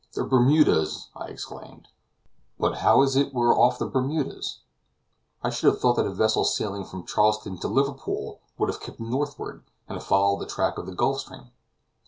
"The Bermudas!" I exclaimed. "But how is it we are off the Bermudas? I should have thought that a vessel sailing from Charleston to Liverpool, would have kept northward, and have followed the track of the Gulf Stream."